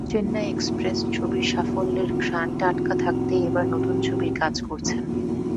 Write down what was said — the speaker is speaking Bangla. চেন্নাই এক্সপ্রেস ছবির সাফল্যের ঘ্রাণ টাটকা থাকতেই এবার নতুন ছবির কাজ করছেন।